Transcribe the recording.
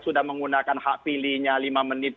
sudah menggunakan hak pilihnya lima menit